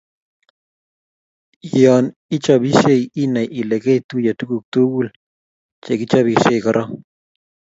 Yo ichopisiei inai Ile ketuiye tuguk tugul che kichobisie korok